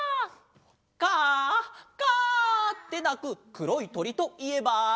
カアカア！ってなくくろいとりといえば？